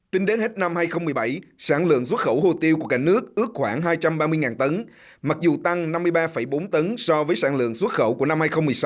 tính đến hết năm hai nghìn một mươi bảy sản lượng xuất khẩu hồ tiêu của cả nước ước khoảng hai trăm ba mươi tấn mặc dù tăng năm mươi ba bốn tấn so với sản lượng xuất khẩu của năm hai nghìn một mươi sáu